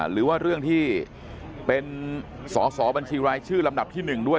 หรือว่าเรื่องที่เป็นสอสอบัญชีรายชื่อลำดับที่๑ด้วย